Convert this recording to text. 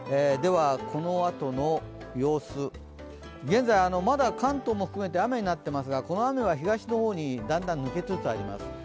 このあとの様子、現在まだ関東も含めて雨になっていますがこの雨は東の方にだんだん抜けつつあります。